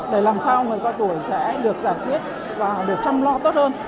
để làm sao người cao tuổi sẽ được giải thiết và được chăm lo tốt hơn